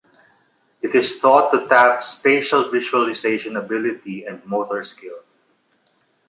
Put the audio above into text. It is thought to tap spatial visualization ability and motor skill.